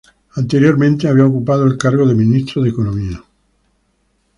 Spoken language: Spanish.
Anteriormente había ocupado el cargo de Ministro de Economía.